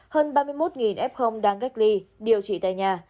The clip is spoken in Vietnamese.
hơn ba mươi một f đang cách ly điều trị tại nhà